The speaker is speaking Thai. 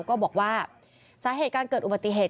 ก็บอกว่าสาเหตุการเกิดอุบัติเหตุ